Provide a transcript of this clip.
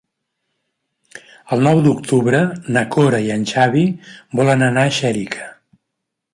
El nou d'octubre na Cora i en Xavi volen anar a Xèrica.